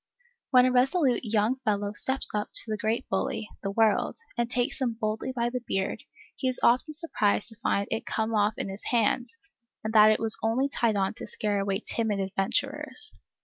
When a resolute young fellow steps up to the great bully, the World, and takes him boldly by the beard, he is often surprised to find it come off in his hand, and that it was only tied on to scare away timid adventurers.